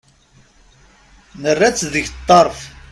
Nerra-tt deg ṭṭerf.